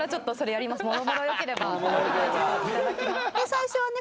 最初はね